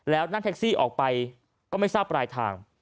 แล้วนั่งแท็กซี่ออกไปก็ไม่ทราบปลายทาง